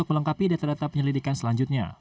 untuk melengkapi data data penyelidikan selanjutnya